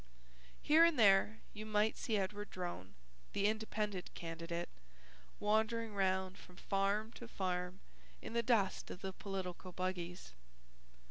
Here and there you might see Edward Drone, the Independent candidate, wandering round from farm to farm in the dust of the political buggies.